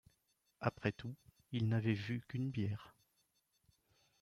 Après tout, il n’avait vu qu’une bière.